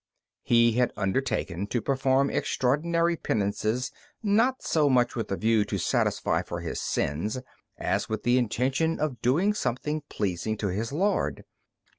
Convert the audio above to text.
He had undertaken to perform extraordinary penances, not so much with a view to satisfy for his sins as with the intention of doing something pleasing to his Lord.